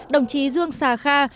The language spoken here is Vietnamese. đồng chí dương xà kha